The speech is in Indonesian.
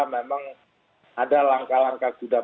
memang ada langkah langkah sudah